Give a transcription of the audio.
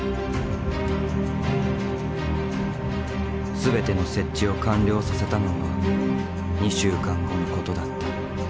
全ての設置を完了させたのは２週間後のことだった。